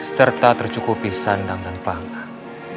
serta tercukupi sandang dan pangan